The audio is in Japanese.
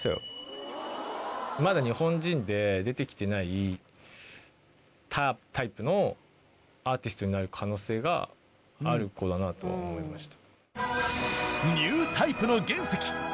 まだ日本人で出てきてないタイプのアーティストになる可能性がある子だなとは思いました。